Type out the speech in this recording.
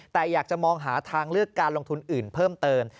แต่อยากจะมองหาทางเลือกการลงทุนอื่นเพิ่มเติม